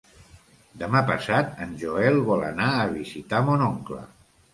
Demà passat en Joel vol anar a visitar mon oncle.